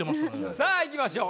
さあいきましょう。